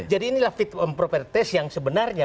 jadi inilah fitur propertes yang sebenarnya